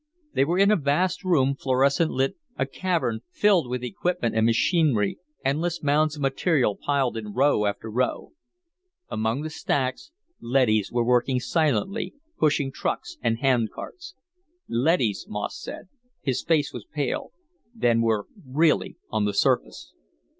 They were in a vast room, fluorescent lit, a cavern filled with equipment and machinery, endless mounds of material piled in row after row. Among the stacks, leadys were working silently, pushing trucks and handcarts. "Leadys," Moss said. His face was pale. "Then we're really on the surface."